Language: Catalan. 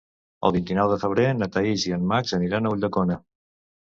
El vint-i-nou de febrer na Thaís i en Max aniran a Ulldecona.